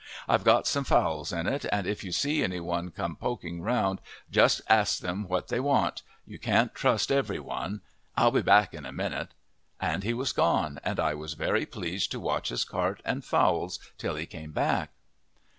I've got some fowls in it, and if you see anyone come poking round just ask them what they want you can't trust every one. I'll be back in a minute." And he was gone, and I was very pleased to watch his cart and fowls till he came back.